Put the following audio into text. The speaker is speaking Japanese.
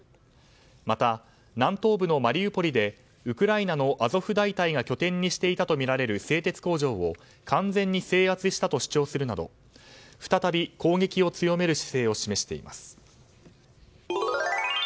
また、南東部のマリウポリでウクライナのアゾフ大隊が拠点にしていたとみられる製鉄工場を完全に制圧したと主張するなど再び攻撃を強める姿勢を示しています。